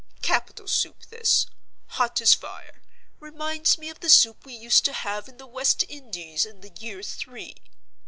Capital soup this—hot as fire—reminds me of the soup we used to have in the West Indies in the year Three.